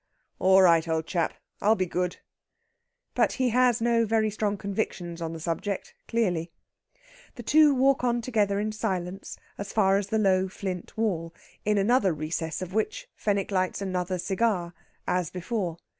"All right, old chap! I'll be good." But he has no very strong convictions on the subject, clearly. The two walk on together in silence as far as the low flint wall, in another recess of which Fenwick lights another cigar, as before.